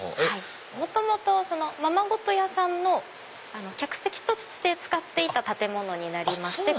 元々ままごと屋さんの客席として使っていた建物になりまして。